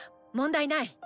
問題ない！